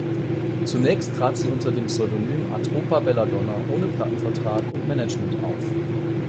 Zunächst trat sie unter dem Pseudonym "Atropa Belladonna" ohne Plattenvertrag und Management auf.